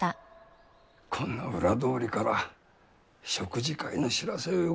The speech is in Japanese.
こんな裏通りから食事会の知らせをよこすなんざ。